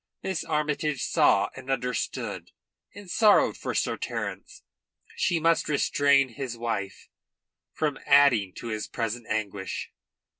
Miss Armytage saw and understood, and sorrowed for Sir Terence. She must restrain his wife from adding to his present anguish.